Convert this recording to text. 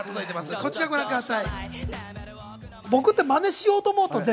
こちらをご覧ください！